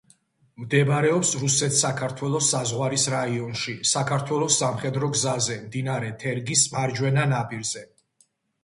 მდებარეობს რუსეთ-საქართველოს საზღვარის რაიონში, საქართველოს სამხედრო გზაზე, მდინარე თერგის მარჯვენა ნაპირზე.